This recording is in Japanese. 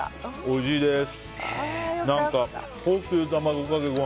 おいしいです。